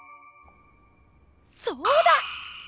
そうだ！